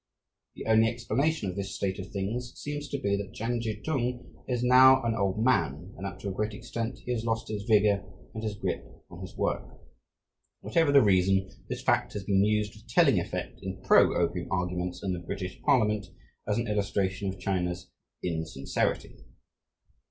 The only explanation of this state of things seems to be that Chang chi tung is now a very old man, and that to a great extent he has lost his vigour and his grip on his work. Whatever the reason, this fact has been used with telling effect in pro opium arguments in the British Parliament as an illustration of China's "insincerity."